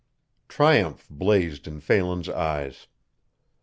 Triumph blazed in Phelan's eyes.